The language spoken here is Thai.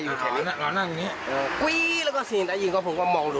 อืมแล้วไหนก่อน